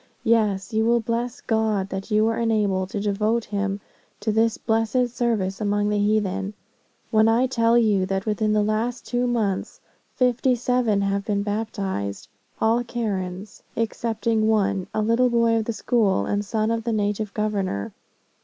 Yes, you will bless God that you were enabled to devote him to this blessed service among the heathen, when I tell you that within the last two months, fifty seven have been baptized, all Karens, excepting one, a little boy of the school and son of the native governor.